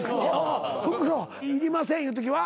袋いりませんいうときは？